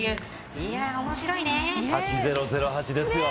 いや、面白いね。